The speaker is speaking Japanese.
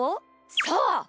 そう！